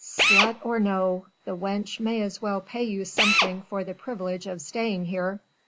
"Slut or no, the wench may as well pay you something for the privilege of staying here.